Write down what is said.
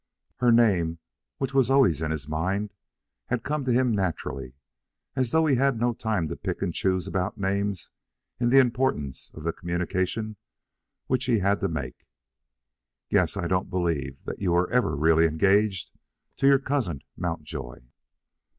Her name, which was always in his mind, had come to him naturally, as though he had no time to pick and choose about names in the importance of the communication which he had to make. "Yes. I don't believe that you were ever really engaged to your cousin Mountjoy."